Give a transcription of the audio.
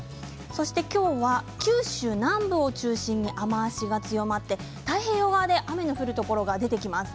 そして今日は九州南部を中心に雨足が強まって太平洋側で雨の降るところが出てきます。